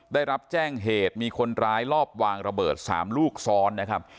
ได้รับแจ้งเหตุมีคนร้ายรอบวางระเบิด๓ลูกซ้อนนะครับ